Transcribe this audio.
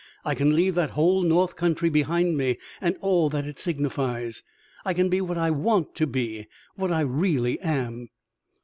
I can leave that whole North Country behind me, and all that it signifies. I can be what I want to be what I really am."